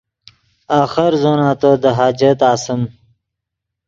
آخر زو نتو دے حاجت آسیم